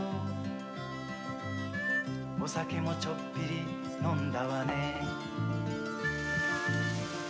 「お酒もちょっぴり飲んだわね」